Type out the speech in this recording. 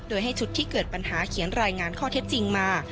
โดยให้ชุดที่เกิดปัญหาเขียนรายงานข้อเท็จจริงมา